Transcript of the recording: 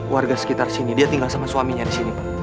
warga sekitar sini dia tinggal sama suaminya di sini pak